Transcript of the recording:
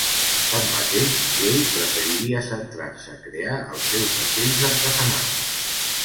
Tanmateix, Jake preferiria centrar-se a crear els seus vaixells artesanals.